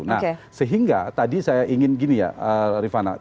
nah sehingga tadi saya ingin gini ya rifana